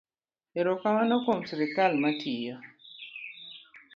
Erokamano kuom sirikal matiyo.